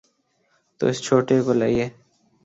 تو اس چھوٹے کو لائیے۔